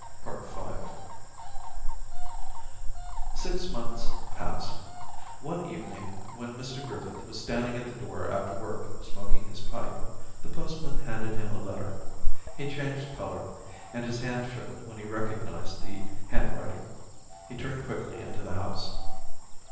... V Six months passed. One evening, when Mr Griffith was standing at the door after work, smoking his pipe, the postman handed him a letter. He changed colour and his hand shook when he recognised the handwriting. He turned quickly into the house.